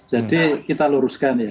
jadi kita luruskan ya